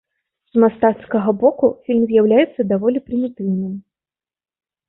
З мастацкага боку фільм з'яўляецца даволі прымітыўным.